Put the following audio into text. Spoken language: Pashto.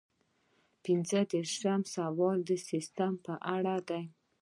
پنځه دېرشم سوال د سیسټم په اړه دی.